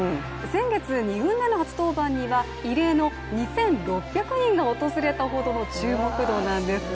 先月、２軍での初登板には異例の２６００人が訪れたほどの注目度なんです。